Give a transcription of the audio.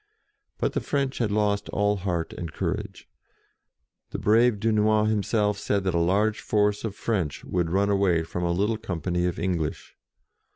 But the French had lost all heart and courage: the brave Dunois himself said that a large force of French would run away from a little company of English.